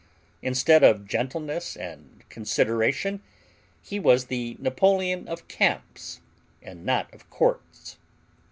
Instead of gentleness and consideration he was the Napoleon of camps, and not of courts.